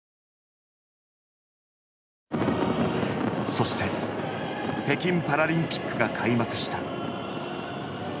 そして北京パラリンピックが開幕した。